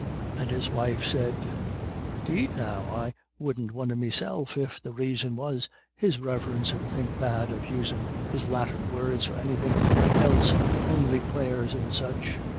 And his wife said, "'Deed, now, I wouldn't won'er meself if the raison was his Riverence 'ud think bad of usin' his Latin words for anythin' else on'y prayers and such.